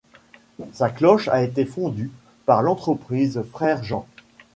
Sa cloche a été fondue par l'entreprise Frerejean.